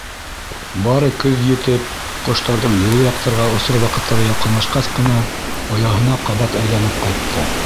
Бары көҙ етеп, ҡоштарҙың йылы яҡтарға осор ваҡыттары яҡынлашҡас ҡына, ояһына ҡабат әйләнеп ҡайтты.